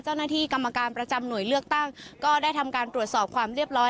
เจ้าหน้าที่กรรมการประจำหน่วยเลือกตั้งก็ได้ทำการตรวจสอบความเรียบร้อย